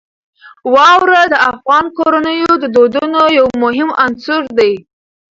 واوره د افغان کورنیو د دودونو یو مهم عنصر دی.